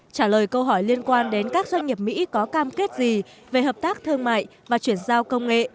trả lời câu hỏi liên quan đến các doanh nghiệp mỹ có cam kết gì về hợp tác thương mại và chuyển giao công nghệ